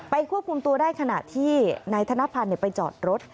ควบคุมตัวได้ขณะที่นายธนพันธ์ไปจอดรถ